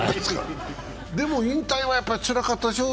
でも引退はつらかったでしょう？